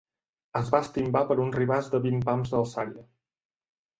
Es va estimbar per un ribàs de vint pams d'alçària.